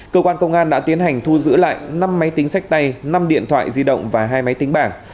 cơ quan công an đã tiến hành thu giữ lại năm máy tính sách tay năm điện thoại di động và hai máy tính bảng